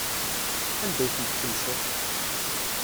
Anda ay ten-tkemseḍ?